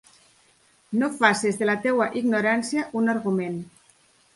No faces de la teua ignorància un argument.